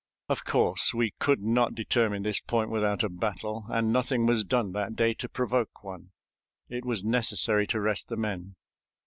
Of course, we could not determine this point without a battle, and nothing was done that day to provoke one. It was necessary to rest the men.